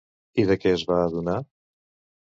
I de què es va adonar?